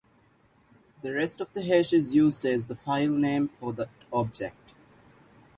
The rest of the hash is used as the file name for that object.